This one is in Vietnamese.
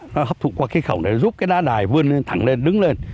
nó hấp thụ qua khí khổng để giúp cái đá đài vươn lên thẳng lên đứng lên